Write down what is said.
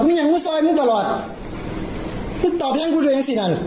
กูมินยังมึงซ่อยมึงตลอดมึงตอบให้ให้กูดูเองสินั่น